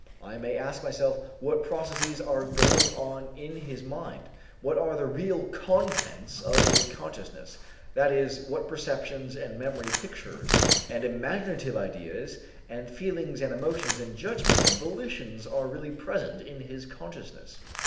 I may ask myself what processes are going on in his mind, what are the real contents of his consciousness, that is, what perceptions and memory pictures and imaginative ideas and feelings and emotions and judgments and volitions are really present in his consciousness.